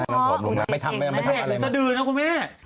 ไม่ทำไม่ทำไม่ทำอะไรมากแว่งเหนือสะดืยนะคุณแม่